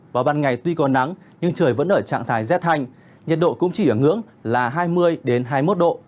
vào ban ngày tuy có nắng nhưng trời vẫn ở trạng thái rét thanh nhiệt độ cũng chỉ ở ngưỡng là hai mươi hai mươi một độ